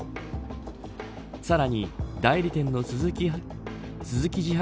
さらに代理店のスズキ自販